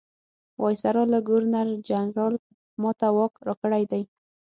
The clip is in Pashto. وایسرا او ګورنرجنرال ما ته واک راکړی دی.